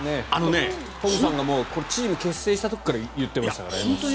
ホーバスさんがチームを結成した時から言ってましたからね。